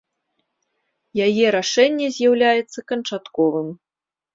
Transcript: Яе рашэнне з'яўляецца канчатковым.